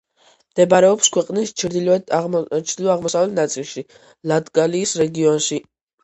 მდებარეობს ქვეყნის ჩრდილო-აღმოსავლეთ ნაწილში, ლატგალიის რეგიონში.